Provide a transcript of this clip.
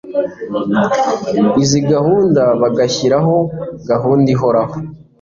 izi gahunda bagashyiraho gahunda ihoraho